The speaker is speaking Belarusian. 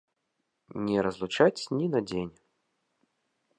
Не разлучаць ні на дзень.